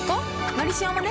「のりしお」もね